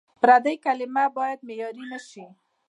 پردۍ کلمې باید معیار نه شي.